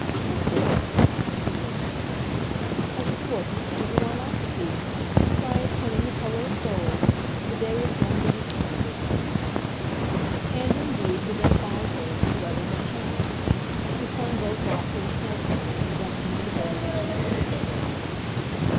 "Look there!" he went on. "As a portent, even while I speak, the sky is turning the color of gold; the day is going to be splendid." And indeed, within five minutes the weather had changed. The sun broke out through the snow clouds and jumped into the Baroness's room.